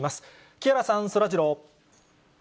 木原さん、そらジロー。